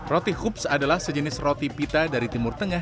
roti hoops adalah sejenis roti pita dari timur tengah